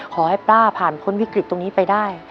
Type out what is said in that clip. ขอให้ป้าผ่านพ้นวิกฤตตรงนี้ไปได้